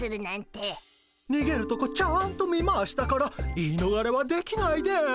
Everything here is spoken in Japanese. にげるとこちゃんと見ましたから言い逃れはできないです。